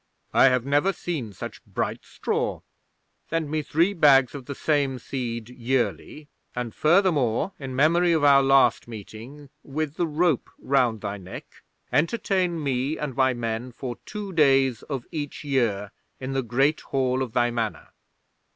"I have never seen such bright straw. Send me three bags of the same seed yearly, and furthermore, in memory of our last meeting with the rope round thy neck entertain me and my men for two days of each year in the Great Hall of thy Manor."